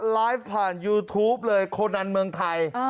ไลฟ์ผ่านยูทูปเลยโคนันเมืองไทย